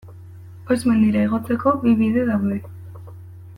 Oiz mendira igotzeko bi bide daude.